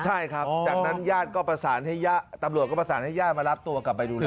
ใช่ครับจากนั้นตำรวจก็ประสานให้ย่ามารับตัวกลับไปดูแล